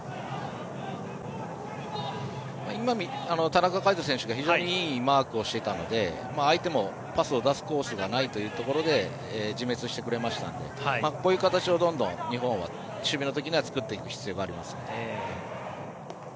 今、田中海渡選手が非常にいいマークをしていたので相手もパスを出すコースがないということで自滅してくれましたのでこういう形をどんどん日本は守備の時には作っていく必要があります。